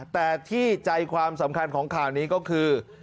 แต่ที่ใจความสำคัญของข่าวนี้ก็คือ